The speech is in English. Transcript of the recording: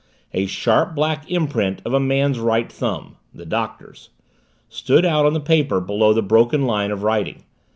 A sharp, black imprint of a man's right thumb the Doctor's stood out on the paper below the broken line of writing.